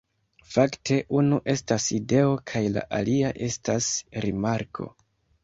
Fakte, unu estas ideo kaj la alia estas rimarko